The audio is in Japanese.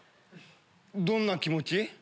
どんな気持ち？